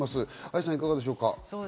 愛さん、いかがでしょう？